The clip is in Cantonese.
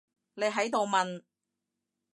你喺度問？